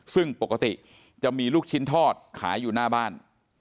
ซึ่งปกติจะมีลูกชิ้นทอดขายอยู่หน้าบ้าน